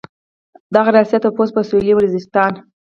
دغه ریاست او فوځ په سویلي وزیرستان.